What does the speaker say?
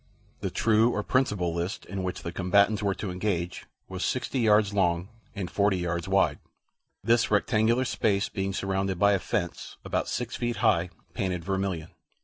The true or principal list in which the combatants were to engage was sixty yards long and forty yards wide; this rectangular space being surrounded by a fence about six feet high, painted vermilion.